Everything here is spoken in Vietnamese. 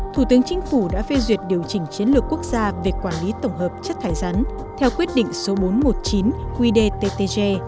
thủ tướng chính phủ đã phê duyệt điều chỉnh chiến lược quốc gia về quản lý tổng hợp chất thải rắn theo quyết định số bốn trăm một mươi chín qdttg